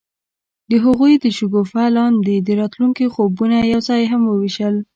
هغوی د شګوفه لاندې د راتلونکي خوبونه یوځای هم وویشل.